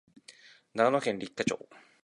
長野県立科町